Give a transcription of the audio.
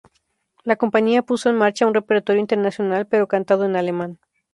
La compañía puso en marcha un repertorio internacional, pero cantado en alemán.